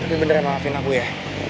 tapi beneran maafin aku ya